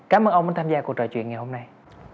cảm ơn ông đã tham gia cuộc trò chuyện ngày hôm nay